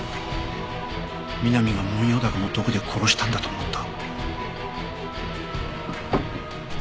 美波がモンヨウダコの毒で殺したんだと思った。